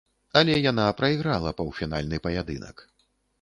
Але яна прайграла паўфінальны паядынак.